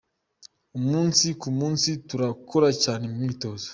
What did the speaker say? Umunsi ku munsi turakora cyane mu myitozo.